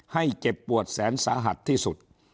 เจ็บปวดแสนสาหัสที่สุด